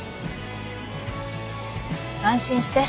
安心して。